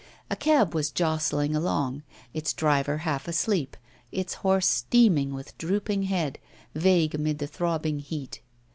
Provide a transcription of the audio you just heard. A cab was jolting along, its driver half asleep, its horse steaming, with drooping head, vague amid the throbbing heat.